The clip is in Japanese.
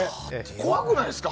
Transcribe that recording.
怖くないですか？